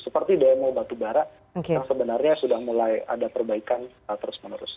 seperti demo batubara yang sebenarnya sudah mulai ada perbaikan terus menerus